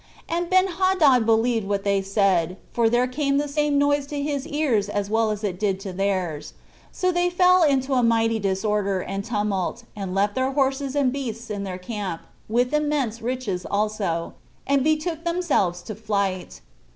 And Benhadad believed what they said [for there came the same noise to his ears as well as it did to theirs]; so they fell into a mighty disorder and tumult, and left their horses and beasts in their camp, with immense riches also, and betook themselves to flight.